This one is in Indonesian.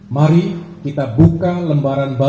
mari kita buka lembaran baru